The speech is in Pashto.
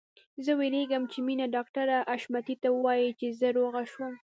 زه وېرېږم چې مينه ډاکټر حشمتي ته ووايي چې زه روغه شوم